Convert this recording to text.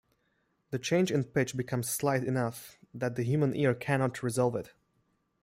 The change in pitch becomes slight enough that the human ear cannot resolve it.